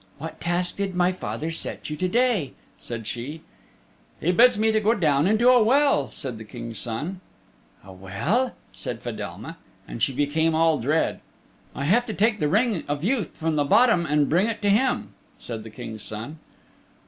"What task did my father set you to day?" said she. "He bids me go down into a well," said the King's Son. "A well!" said Fedelma, and she became all dread. "I have to take the Ring of Youth from the bot tom and bring it to him," said the King's Son.